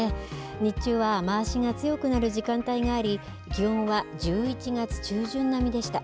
日中は雨足が強くなる時間帯があり、気温は１１月中旬並みでした。